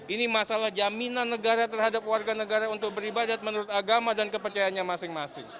ini masalah jaminan negara terhadap warga negara untuk beribadat menurut agama dan kepercayaannya masing masing